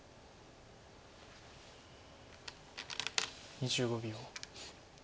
２５秒。